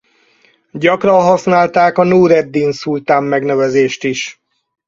Gyakran használták a núreddin-szultán megnevezést is.